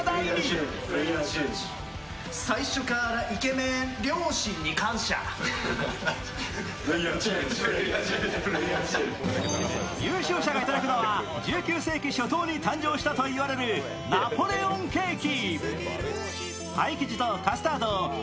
そんなこの店には、またもや優勝者がいただくのは１９世紀初頭に誕生したといわれるナポレオンケーキ。